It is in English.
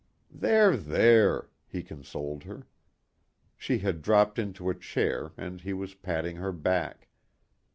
"There, there," he consoled her. She had dropped into a chair and he was patting her back.